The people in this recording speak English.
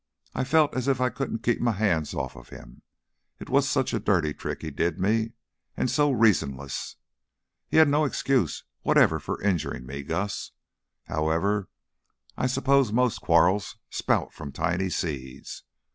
I felt as if I couldn't keep my hands off him. It was such a dirty trick he did me and so reasonless! He had no excuse whatever for injuring me, Gus. However, I suppose most quarrels sprout from tiny seeds.